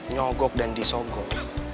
nyogok dan disogok